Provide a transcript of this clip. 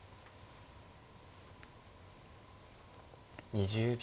２０秒。